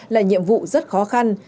là nhiệm vụ rất khó khăn